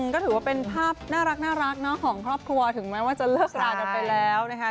ก็ถือว่าเป็นภาพน่ารักของครอบครัวถึงแม้ว่าจะเลิกรากันไปแล้วนะคะ